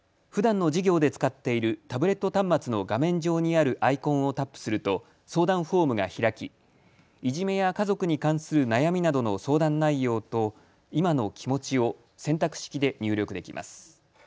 ふだんの授業で使っているタブレット端末の画面上にあるアイコンをタップすると相談フォームが開きいじめや家族に関する悩みなどの相談内容と今の気持ちを選択式で入力できます。